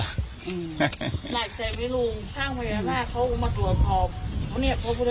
หนักใจไม่รู้ถ้าเขามาตรวจพอ